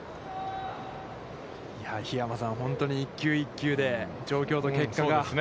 桧山さん、本当に一球一球で状況と結果が。